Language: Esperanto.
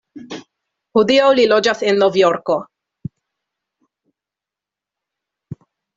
Hodiaŭ li loĝas en Novjorko.